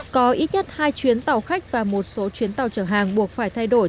có ít nhất hai chuyến tàu khách và một số chuyến tàu chở hàng buộc phải thay đổi